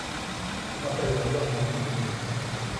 Unha previsión mínima.